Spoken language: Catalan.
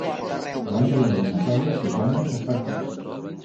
Guanya l'eliminatòria qui guanya set partits.